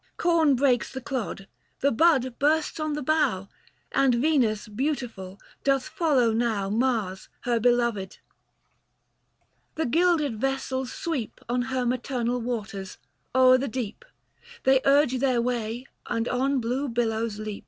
140 Corn breaks the clod, the bud bursts on the bough, And Venus beautiful, doth follow now Mars her beloved. The gilded vessels sweep 106 THE FASTI. Book IV. On her maternal waters — o'er the deep They urge their way and on blue billows leap.